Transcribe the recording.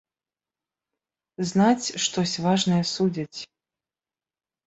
Знаць, штось важнае судзяць.